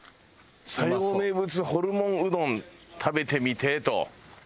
「佐用名物ホルモンうどん食べてみてー！！」と。